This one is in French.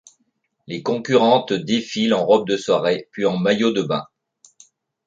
Les concurrentes défilent en robe de soirée puis en maillot de bain.